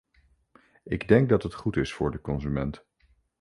Ik denk dat het goed is voor de consument.